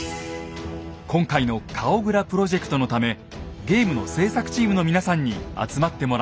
今回の「顔グラプロジェクト」のためゲームの制作チームの皆さんに集まってもらいました。